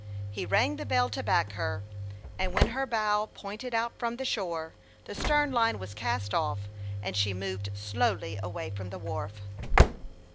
236 HASTE AND WASTE, OR He rang the bell to back her, and when her bow pointed out from the shore, the stern line was cast off, and she moved slowly away from the wharf.